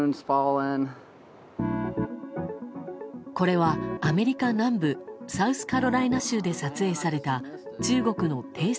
これは、アメリカ南部サウスカロライナ州で撮影された中国の偵察